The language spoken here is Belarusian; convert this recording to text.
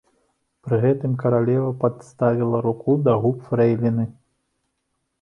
Пры гэтым каралева падставіла руку да губ фрэйліны.